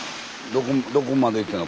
どこまで行ってんの？